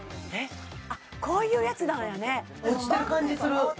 こういうやつなのよね